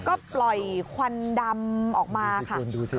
ก็ปล่อยควันดำออกมาค่ะ